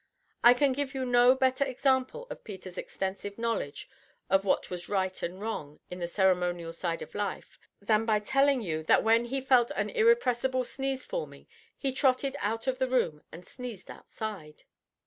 I can give you no better example of Peter's extensive knowledge of what was right and wrong in the ceremonial side of life than by telling you that when he felt an irrepressible sneeze forming he trotted out of the room and sneezed outside.